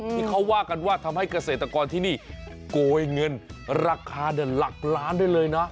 ที่เขาว่ากันว่าทำให้เกษตรกรที่นี่โกยเงินราคาหลักล้านได้เลยนะ